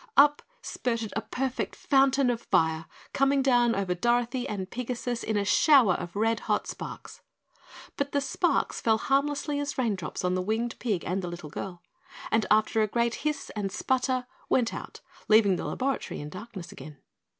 Up spurted a perfect fountain of fire coming down over Dorothy and Pigasus in a shower of red hot sparks. But the sparks fell harmlessly as raindrops on the winged pig and the little girl, and after a great hiss and sputter went out, leaving the laboratory in darkness again.